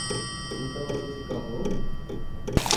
Então você se casou?